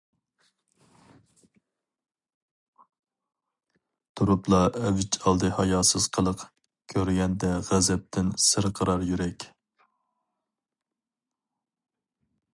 تۇرۇپلا ئەۋج ئالدى ھاياسىز قىلىق، كۆرگەندە غەزەپتىن سىرقىرار يۈرەك.